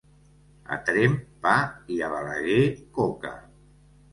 A Tremp pa i a Balaguer coca.